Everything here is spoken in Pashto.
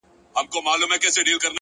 • په هغه اندازه پر غوږونو ښه لګیږي ,